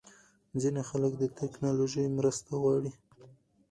ځینې خلک د ټېکنالوژۍ مرسته غواړي.